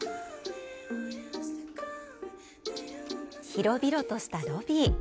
広々としたロビー。